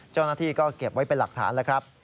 เจ้าหน้าที่ก็เก็บไว้เป็นหลักฐานแล้วครับ